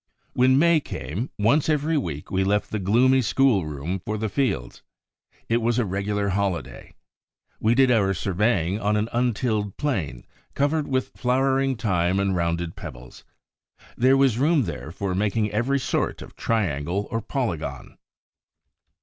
When May came, once every week we left the gloomy schoolroom for the fields. It was a regular holiday. We did our surveying on an untilled plain, covered with flowering thyme and rounded pebbles. There was room there for making every sort of triangle or polygon.